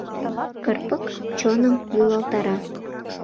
Кырпык чоным йӱлалтара.